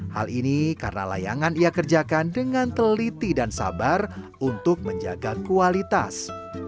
hal ini karena layangan ia kerjakan dengan teliti dan sabar untuk menjaga kualitas